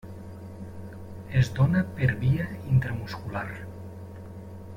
Es dóna per via intramuscular.